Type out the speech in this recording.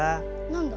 何だ？